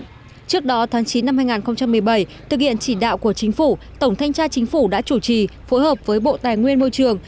trước đó tháng chín năm hai nghìn một mươi bảy thực hiện chỉ đạo của chính phủ tổng thanh tra chính phủ đã chủ trì phối hợp với bộ tài nguyên môi trường